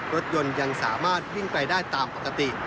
รถยนต์ยังสามารถวิ่งไปได้ตามปกติ